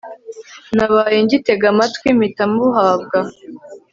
nabaye ngitega amatwi, mpita mbuhabwa